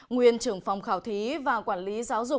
nguyên trưởng phòng khảo thí và quản lý giáo dục sở giáo dục và đào tạo